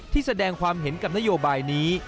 ที่แสดงความเห็นกับนโยบายนี้